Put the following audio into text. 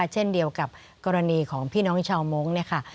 เช่นเดียวกับกรณีของพี่น้องชาวมงค์เนี่ยค่ะ